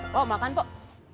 pok makan pok